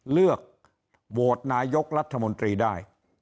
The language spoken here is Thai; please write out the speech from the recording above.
เลือกโหวตนายกรัฐมนตรีได้